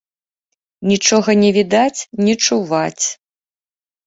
Нічога не відаць, не чуваць.